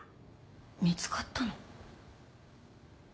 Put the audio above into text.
見つかったの？